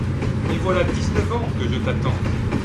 Mais voilà dix-neuf ans que je t’attends !